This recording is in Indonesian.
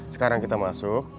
sekarang kita masuk